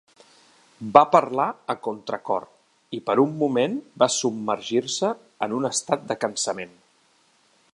Va parlar a contracor i, per un moment, va submergir-se en un estat de cansament.